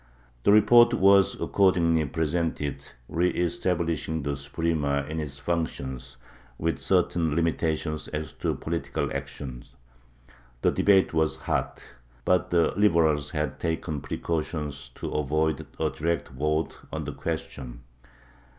The report was accordingly presented, re establishing the Suprema in its functions, with certain limitations as to political action ; the debate was hot, but the Liberals had taken precautions to avoid a direct vote on the question.